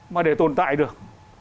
mà để tồn tại được